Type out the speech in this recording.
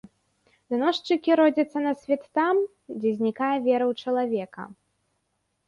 Даносчыкі родзяцца на свет там, дзе знікае вера ў чалавека.